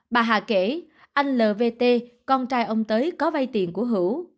bà hà kể anh lvt con trai ông tới có vay tiền của hữu